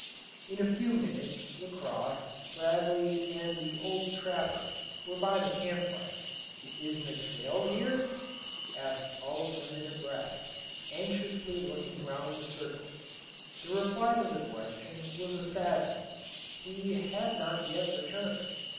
In a few minutes Lacosse, Bradley, and the old trapper were by the camp fire. "Is McPhail here?" asked all of them in a breath, anxiously looking round the circle. The reply to the question was a sad one: he had not yet returned.